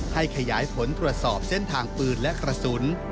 ขยายผลตรวจสอบเส้นทางปืนและกระสุน